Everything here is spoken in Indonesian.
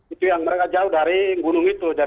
itu yang mereka jauh dari gunung itu